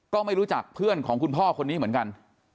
ก็ไม่รู้จักเพื่อนของคุณพ่อคนนี้เหมือนกัน